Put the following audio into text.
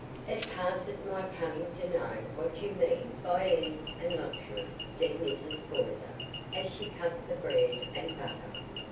"It passes my cunning to know what you mean by ease and luxury," said Mrs. Poyser, as she cut the bread and butter.